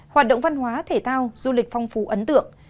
hoạt động văn hóa thể thao du lịch phong phú ấn tượng